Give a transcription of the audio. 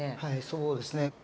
はいそうですね。